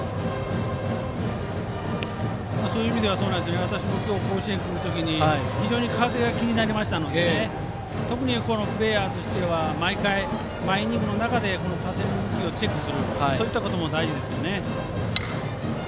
そういう意味では私も今日、甲子園に来る時に非常に風が気になりましたので特にプレーヤーとしては毎回、毎イニングの中でかぜをチェックするそういったことも大事ですね。